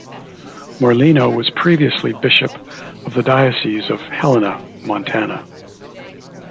Morlino was previously bishop of the Diocese of Helena, Montana.